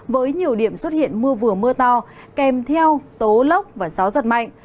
với nhiều điểm xuất hiện mưa vừa mưa to kèm theo tố lốc và gió giật mạnh